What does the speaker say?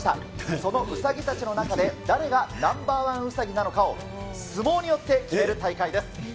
そのうさぎたちの中で、誰がナンバー１うさぎなのかを相撲によって決める大会です。